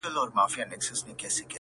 نه یې مینه سوای له زړه څخه شړلای!.